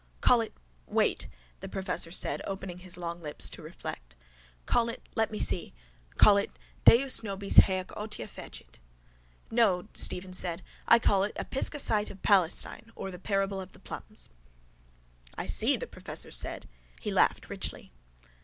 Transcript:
—Call it, wait, the professor said, opening his long lips wide to reflect. Call it, let me see. Call it: deus nobis hæc otia fecit. —No, Stephen said. I call it A Pisgah Sight of Palestine or The Parable of The Plums. —I see, the professor said. He laughed richly.